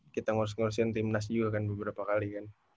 kita ngurusin tim nasjul kan beberapa kali